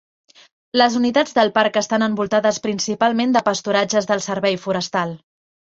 Les unitats del parc estan envoltades principalment de pasturatges del servei forestal.